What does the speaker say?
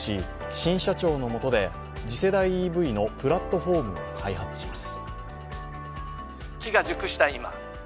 新社長のもとで次世代ＥＶのプラットフォームを開発します。